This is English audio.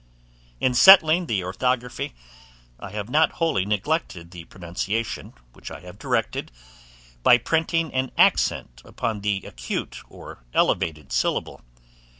In settling the orthography, I have not wholly neglected the pronunciation, which I have directed, by printing an accent upon the acute or elevated syllable.